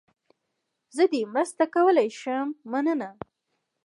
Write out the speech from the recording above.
زه دې مرسته کولای شم، مننه.